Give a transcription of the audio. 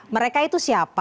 mereka itu siapa